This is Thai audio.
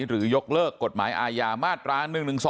ยกเลิกกฎหมายอาญามาตรา๑๑๒